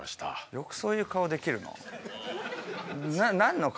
よくそういう顔できるな。